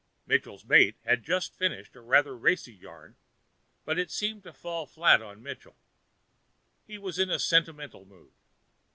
Mitchell's mate had just finished a rather racy yarn, but it seemed to fall flat on Mitchell—he was in a sentimental mood.